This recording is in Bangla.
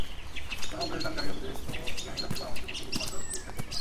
কোন উপদেশদানকারীর উপদেশ ও জ্ঞানী লোকের পরামর্শের প্রতি বিন্দুমাত্র ভ্রুক্ষেপ করতো না।